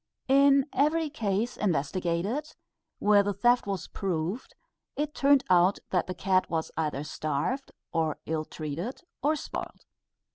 _" In every case investigated, where the theft was proved, it turned out that the cat was either starved, or illtreated, or spoiled.